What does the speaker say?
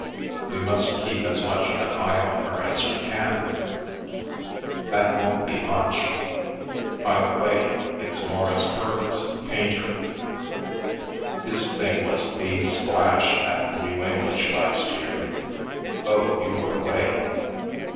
We must keep as much of an eye on her as we can." " That won't be much. By the way, it's Maurice Purvis, the painter. His thing was the splash at the New English last year. Oh, you were away."